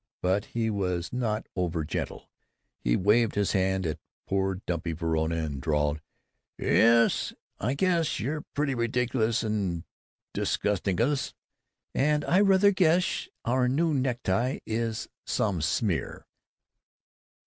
But he was not over gentle. He waved his hand at poor dumpy Verona and drawled: "Yes, I guess we're pretty ridiculous and disgusticulus, and I rather guess our new necktie is some smear!"